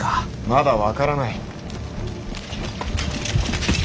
まだ分からない。